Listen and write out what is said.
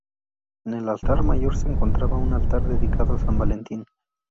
En el altar mayor se encontraba un altar dedicado a San Valentín.